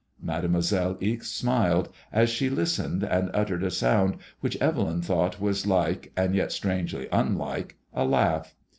Mademoiselle Ixe smiled, as she listened and utteied a sound which Evelyn thought was like, and yet strangely unlike a laugh.